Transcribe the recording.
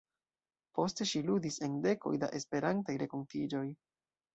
Poste ŝi ludis en dekoj da Esperantaj renkontiĝoj.